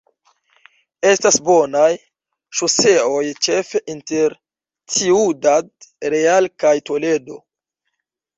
Estas bonaj ŝoseoj ĉefe inter Ciudad Real kaj Toledo.